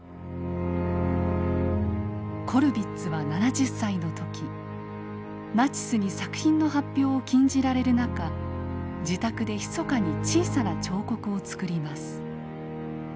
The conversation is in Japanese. コルヴィッツは７０歳の時ナチスに作品の発表を禁じられる中自宅でひそかに小さな彫刻を作ります。